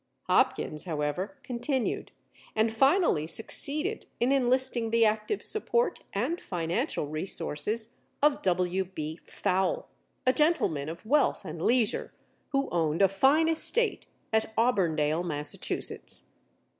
Hopkins, however, continued, and finally succeeded in enlisting the active support and financial resources of W. B. Fowle, a gentleman of wealth and leisure, who owned a fine estate at Auburndale, Massachusetts.